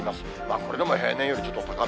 これでも平年よりちょっと高め。